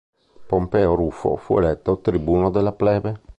Pompeo Rufo fu eletto tribuno della plebe.